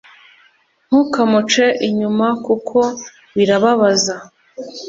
ntukamuce inyuma kuko birababaza